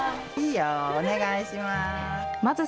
お願いします。